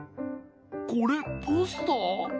これポスター？